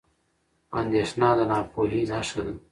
اندېښنه د ناپوهۍ نښه ده.